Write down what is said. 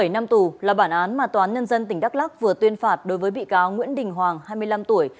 một mươi năm tù là bản án mà toán nhân dân tỉnh đắk lắc vừa tuyên phạt đối với bị cáo nguyễn đình hoàng hai mươi năm tuổi